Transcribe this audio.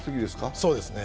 そうですね。